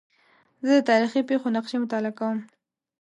زه د تاریخي پېښو نقشې مطالعه کوم.